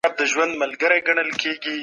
شخصي ملکیت ته په اسلام کي ځای سته.